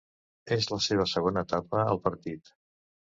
És la seva segona etapa al partit.